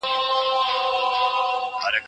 عبرت هغه څه دی، چي د انسان توجه ور اوړي.